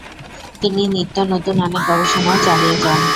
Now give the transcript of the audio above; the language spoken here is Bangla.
তিনি নিত্য নতুন অনেক গবেষণাও চালিয়ে যান।